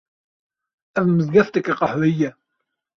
Ev mizgefteke qehweyî ye